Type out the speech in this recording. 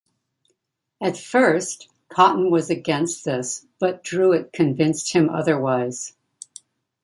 At first, Cotton was against this but Drewett convinced him otherwise.